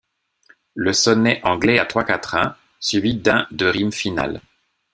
Le sonnet anglais a trois quatrains, suivis d'un de rimes final.